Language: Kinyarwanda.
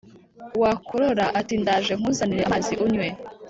Wakorora ati: ndaje nkuzanire amazi unywe